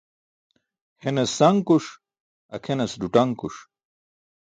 Henas sankuṣ, akʰenas ḍuṭaṅkuṣ.